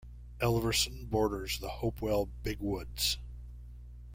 Elverson borders the Hopewell Big Woods.